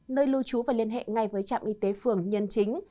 nơi lưu trú và liên hệ ngay với trạm y tế phường nhân chính